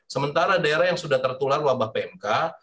sementara daerah yang sudah tertular wabah pmk